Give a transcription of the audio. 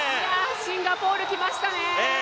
シンガポールきましたね。